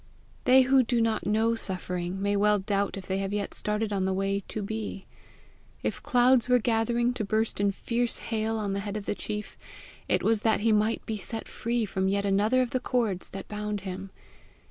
They who do not know suffering, may well doubt if they have yet started on the way TO BE. If clouds were gathering to burst in fierce hail on the head of the chief, it was that he might be set free from yet another of the cords that bound him.